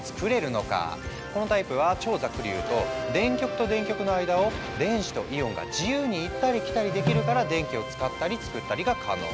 このタイプは超ざっくり言うと電極と電極の間を電子とイオンが自由に行ったり来たりできるから電気を使ったり作ったりが可能。